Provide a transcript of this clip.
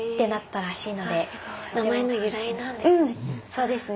そうですね。